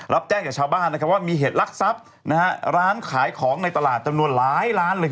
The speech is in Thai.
รับแจ้งจากชาวบ้านว่ามีเหตุลักษัพร้านขายของในตลาดจำนวนหลายร้านเลย